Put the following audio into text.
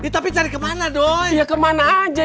tapi cari kemana doi